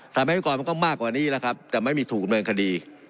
ทำให้ก่อนมันก็มากกว่านี้แหละครับแต่ไม่มีถูกดำเนินคดี